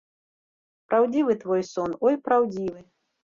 Праўдзівы твой сон, ой, праўдзівы.